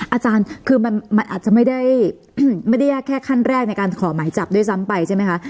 อาจารย์คือมันอาจจะไม่ได้ยากแค่ขั้นแรกในการขอหมายจับด้วยซ้ำไปใช่ไหมคะ